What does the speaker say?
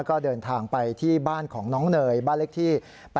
ก็เดินทางไปที่บ้านของน้องเนยบ้านเล็กที่๘๘